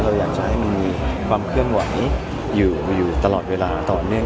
เราอยากจะให้มันมีความเพื่อนไหวอยู่อยู่อยู่ตลอดเวลาต่อเนื่อง